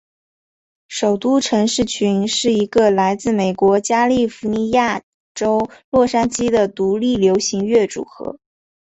首都城市群是一个来自美国加利福尼亚州洛杉矶的独立流行乐组合。